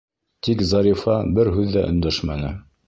Тик Зарифа бер һүҙ ҙә өндәшмәне.